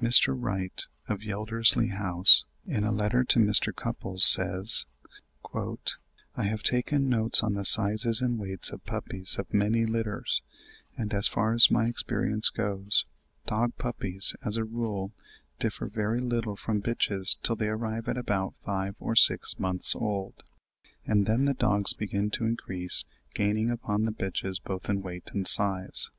Mr. Wright of Yeldersley House, in a letter to Mr. Cupples, says: "I have taken notes on the sizes and weights of puppies of many litters, and as far as my experience goes, dog puppies as a rule differ very little from bitches till they arrive at about five or six months old; and then the dogs begin to increase, gaining upon the bitches both in weight and size.